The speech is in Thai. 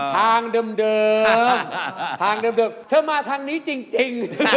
ทางเดิมเธอมาทางนี้จริง